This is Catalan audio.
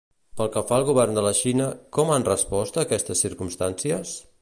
Pel que fa al govern de la Xina, com han respost a aquestes circumstàncies?